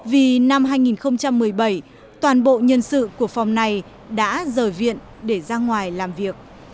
vì năm hai nghìn một mươi bảy toàn bộ nhân sự của phòng này đã rời viện để ra ngoài làm việc